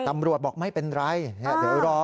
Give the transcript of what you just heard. ตำรวจบอกไม่เป็นไรเดี๋ยวรอ